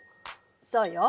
そうよ。